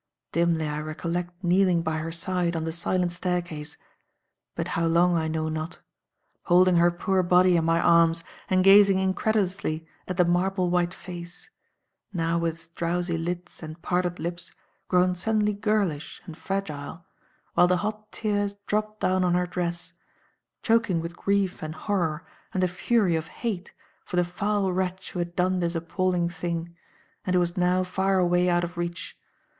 Dimly I recollect kneeling by her side on the silent staircase but how long I know not holding her poor body in my arms and gazing incredulously at the marble white face now with its drowsy lids and parted lips, grown suddenly girlish and fragile while the hot tears dropped down on her dress; choking with grief and horror and a fury of hate for the foul wretch who had done this appalling thing, and who was now far away out of reach.